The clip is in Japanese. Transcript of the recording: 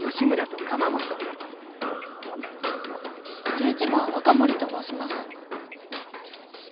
１１番若森と申します。